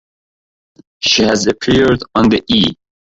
She has appeared on the E!